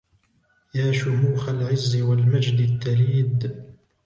يا شموخ العز والمجد التليد